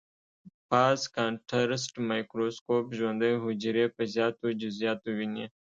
فاز کانټرسټ مایکروسکوپ ژوندۍ حجرې په زیاتو جزئیاتو ويني.